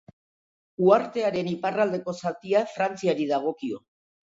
Uhartearen iparraldeko zatia Frantziari dagokio.